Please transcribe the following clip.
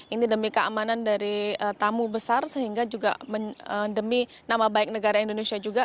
ini demi keamanan dari tamu besar sehingga juga demi nama baik negara indonesia juga